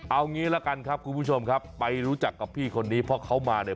เอางี้ละกันครับคุณผู้ชมครับไปรู้จักกับพี่คนนี้เพราะเขามาเนี่ย